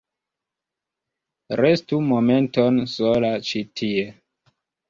Restu momenton sola ĉi tie.